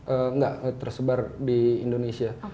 enggak tersebar di indonesia